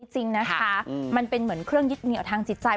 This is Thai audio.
จริงนะคะมันเป็นเหมือนเครื่องยึดเหนียวทางจิตใจ